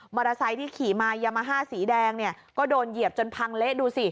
ที่ขี่มายามาฮ่าสีแดงเนี่ยก็โดนเหยียบจนพังเละดูสิ